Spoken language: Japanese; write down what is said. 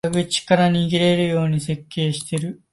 裏口から逃げられるように設計してる